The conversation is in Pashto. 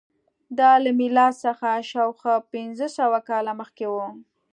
دا له میلاد څخه شاوخوا پنځه سوه کاله مخکې وه.